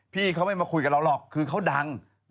พี่เขาไม่มาคุยกับเราหรอกคือเขาดัง